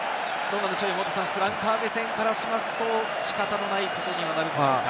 フランカー目線からしますと、仕方のないことになるんでしょうか？